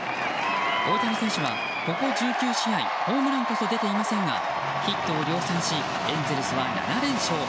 大谷選手は、ここ１９試合ホームランこそ出ていませんがヒットを量産しエンゼルスは７連勝。